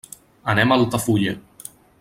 Anem a Altafulla.